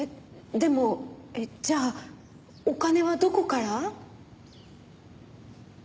でもじゃあお金はどこから？